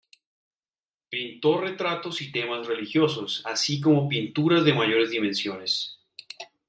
Pintó retratos y temas religiosos, así como pinturas de mayores dimensiones.